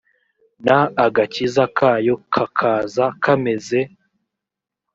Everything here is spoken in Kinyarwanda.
n agakiza kayo kakaza kameze